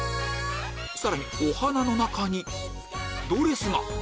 さらにお花の中にドレスが！